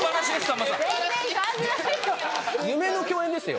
夢の共演ですよ。